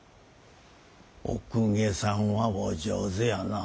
お公家さんはお上手やなぁ。